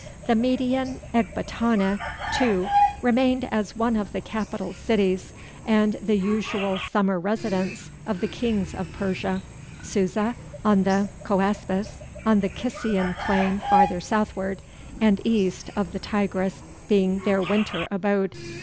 The Median Ekbatana too remained as one of the capital cities, and the usual summer residence, of the kings of Persia; Susa on the Choaspes, on the Kissian plain farther southward, and east of the Tigris, being their winter abode.